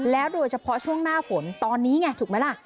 โดยเฉพาะช่วงหน้าฝนตอนนี้ไงถูกไหมล่ะ